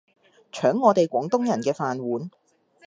搶我哋廣東人嘅飯碗